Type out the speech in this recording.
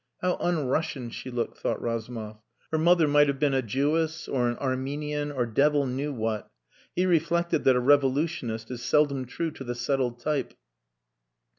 How un Russian she looked, thought Razumov. Her mother might have been a Jewess or an Armenian or devil knew what. He reflected that a revolutionist is seldom true to the settled type.